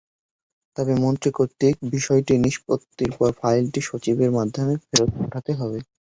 তবে মন্ত্রী কর্তৃক বিষয়টির নিষ্পত্তির পর ফাইলটি সচিবের মাধ্যমে ফেরত পাঠাতে হবে।